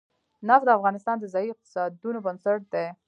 نفت د افغانستان د ځایي اقتصادونو بنسټ دی.